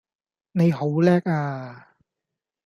你好叻啊